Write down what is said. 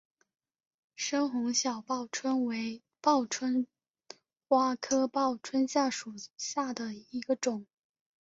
深红小报春为报春花科报春花属下的一个种。